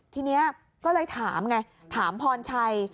ทีนี้ก็เลยถามไงถามพรชัย